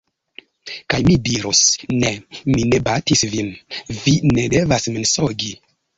Kaj mi dirus: "Ne! Mi ne batis vin, vi ne devas mensogi!"